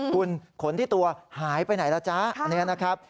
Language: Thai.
คุณขนที่ตัวหายไปไหนแล้วจ๊ะ